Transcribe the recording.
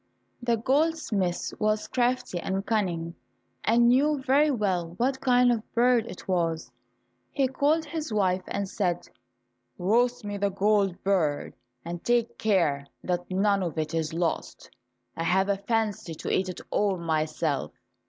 The goldsmith was crafty and cunning, and knew very well what kind of a bird it was. He called his wife and said, "Roast me the gold bird, and take care that none of it is lost. I have a fancy to eat it all myself."